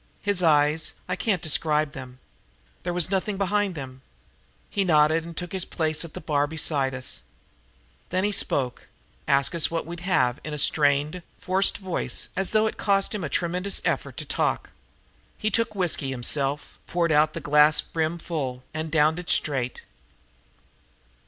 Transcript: His eyes I can't describe them. There was nothing behind them. He nodded and took his place at the bar beside us. Then he spoke, asked us what we'd have, in a strained, forced voice as though it cost him a tremendous effort to talk. He took whiskey himself, poured out a glass brim full, and downed it straight.